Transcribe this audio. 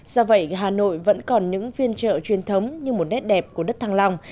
do vậy hà nội vẫn còn những viên chợ truyền thống như một nét đẹp của đất thăng long